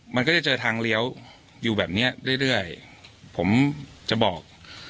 มันก็จะเจอทางเลี้ยวอยู่แบบเนี้ยเรื่อยผมจะบอก